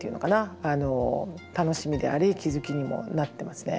楽しみであり気付きにもなってますね。